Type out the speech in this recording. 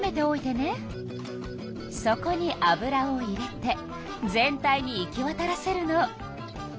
そこに油を入れて全体に行きわたらせるの。